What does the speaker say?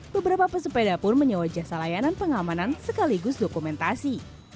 beberapa pesepeda pun menyewa jasa layanan pengamanan sekaligus dokumentasi